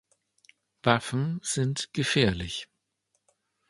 Waffen sind gefährlich.